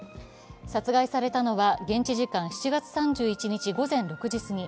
殺害されたのは現地時間７月３１日午前６時過ぎ。